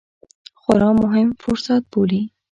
خورا مهم فرصت بولي